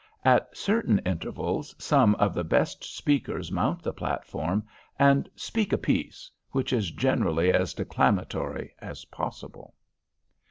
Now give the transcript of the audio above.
At certain intervals, some of the best speakers mount the platform, and "speak a piece," which is generally as declamatory as possible.